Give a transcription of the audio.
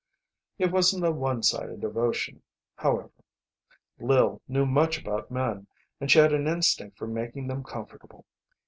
It wasn't a one sided devotion, however. Lil knew much about men, and she had an instinct for making them comfortable.